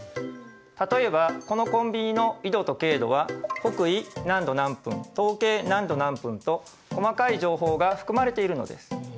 例えばこのコンビニの経度と緯度は北緯何度何分東経何度何分と細かい情報が含まれているのです。